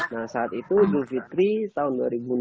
nah saat itu idul fitri tahun dua ribu enam belas